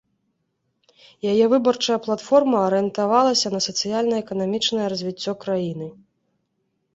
Яе выбарчая платформа арыентавалася на сацыяльна-эканамічнае развіццё краіны.